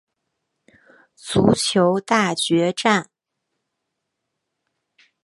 足球大决战！